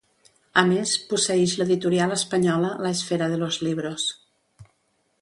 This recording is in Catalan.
A més, posseïx l'editorial espanyola La Esfera de los Libros.